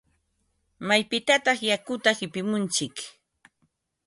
¿Maypitataq yakuta qipimuntsik?